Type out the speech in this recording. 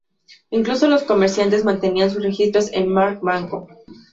Incluso los comerciantes mantenían sus registros en Mark Banco.